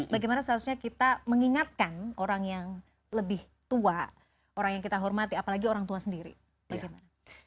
bagaimana seharusnya kita mengingatkan orang yang lebih tua orang yang kita hormati apalagi orang tua sendiri bagaimana